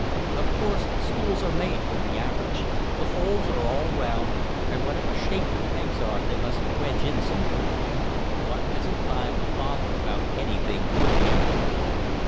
"Of course schools are made for the average. The holes are all round, and whatever shape the pegs are they must wedge in somehow. One hasn't time to bother about anything but the average."